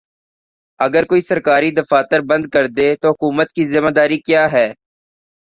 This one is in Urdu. اگر کوئی سرکاری دفاتر بند کردے تو حکومت کی ذمہ داری کیا ہے؟